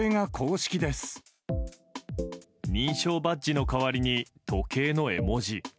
認証バッジの代わりに時計の絵文字。